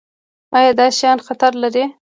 ایا دا شیان خطر لري؟